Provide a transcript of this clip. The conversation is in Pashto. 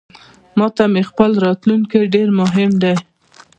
ماته مې خپل راتلونکې ډیرمهم دی